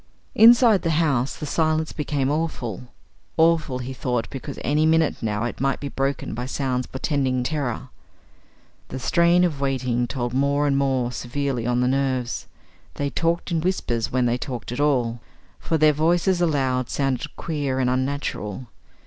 Inside the house the silence became awful; awful, he thought, because any minute now it might be broken by sounds portending terror. The strain of waiting told more and more severely on the nerves; they talked in whispers when they talked at all, for their voices aloud sounded queer and unnatural.